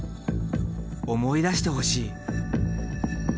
思い出してほしい。